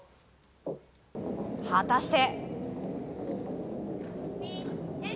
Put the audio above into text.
果たして。